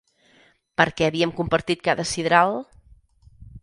Perquè havíem compartit cada sidral!